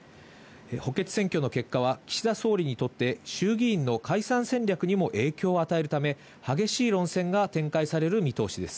補欠選挙の結果は岸田総理にとって衆議院の解散戦略にも影響を与えるため、激しい論戦が展開される見通しです。